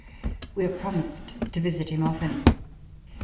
We have promised to visit him often.